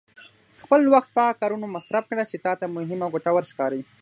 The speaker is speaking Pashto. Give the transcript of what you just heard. خپل وخت په هغه کارونو مصرف کړه چې تا ته مهم او ګټور ښکاري.